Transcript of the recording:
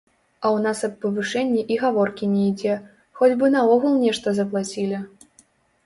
А ў нас аб павышэнні і гаворкі не ідзе, хоць бы наогул нешта заплацілі.